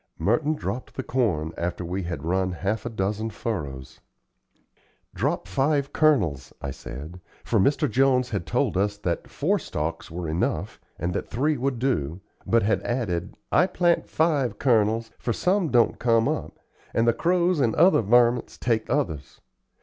Merton dropped the corn after we had run half a dozen furrows. "Drop five kernels," I said; for Mr. Jones had told us that four stalks were enough and that three would do, but had added: "I plant five kernels, for some don't come up, and the crows and other vermints take others.